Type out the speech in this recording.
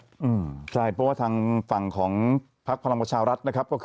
ไปเพราะว่าทางฝั่งของพลังประชารัฐ